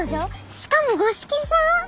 しかも五色さん！？